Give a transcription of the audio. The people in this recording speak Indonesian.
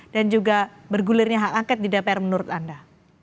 dan juga bergulirnya hak angket di dpr menurut anda